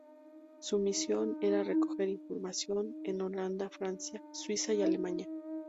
Su misión era recoger información en Holanda, Francia, Suiza y Alemania.